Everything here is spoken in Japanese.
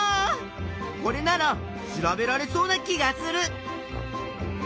これなら調べられそうな気がする！